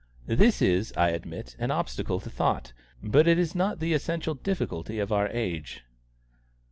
This is, I admit, an obstacle to thought; but it is not the essential difficulty of our age."